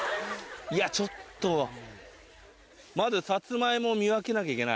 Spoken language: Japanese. いやちょっとまずサツマイモを見分けなきゃいけない。